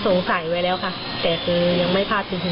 สงสัยไว้แล้วค่ะแต่ก็ยังไม่พลาดทิศต่องครับ